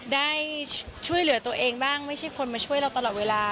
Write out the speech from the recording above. ได้ช่วยเหลือตัวเองบ้างไม่ใช่คนมาช่วยเราตลอดเวลา